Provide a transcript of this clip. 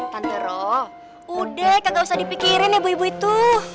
tante ro udah kagak usah dipikirin ya ibu ibu itu